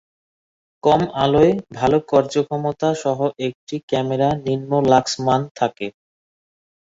কম-আলোয় ভাল কার্যক্ষমতা সহ একটি ক্যামেরায় নিম্ন লাক্স মান থাকে।